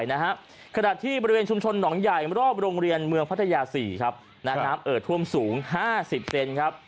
ขณะที่บริเวณชุมชนหนองใหญ่รอบโรงเรียนเมืองพัทยา๔ครับน้ำเอ่อท่วมสูง๕๐เซนครับ